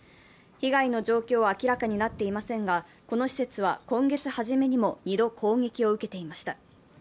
被害の状況は明らかになっていませんが、この施設は今月初めにも２度攻撃を受けていました。